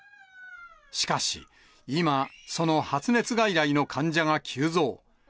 しかし、今、その発熱外来の患者が急増。